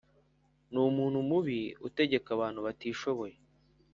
ni umuntu mubi utegeka abantu batishoboye